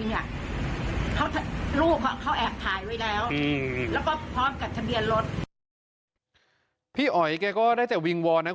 แล้วเขาก็ถ่ายแต๊งแตกแต่ตอนนี้ก็มาทำริง